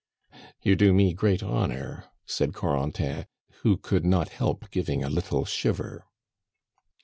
"You do me great honor," said Corentin, who could not help giving a little shiver.